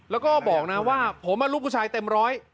แล้วก็บอกนะว่าผมลูกผู้ชายเต็มร้อย